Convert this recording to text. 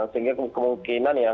sehingga kemungkinan ya